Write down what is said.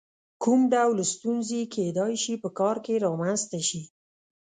کوم ډول ستونزې کېدای شي په کار کې رامنځته شي؟